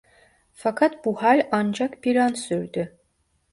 Fakat bu hal ancak bir an sürdü.